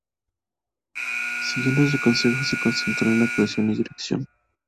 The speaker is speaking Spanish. Siguiendo ese consejo, se concentró en actuación y dirección.